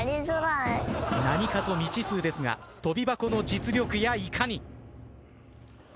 何かと未知数ですが跳び箱の実力やいかに。